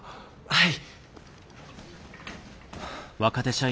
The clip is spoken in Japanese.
はい。